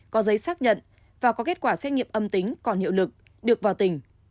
có giấy xác nhận và có kết quả xét nghiệm âm tính còn hiệu lực được vào tỉnh